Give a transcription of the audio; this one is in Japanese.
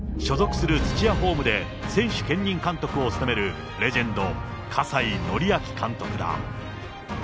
所属する土屋ホームで選手兼任監督を務めるレジェンド、葛西紀明監督だ。